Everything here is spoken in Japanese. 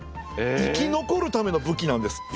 「生き残るための武器なんです」って。